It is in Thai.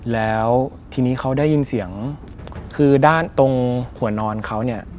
แล้วทีนี้เขาได้ยินเสียงคือด้านตรงหัวนอนเขาเนี่ย